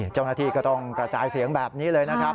เจ้าหน้าที่ก็ต้องกระจายเสียงแบบนี้เลยนะครับ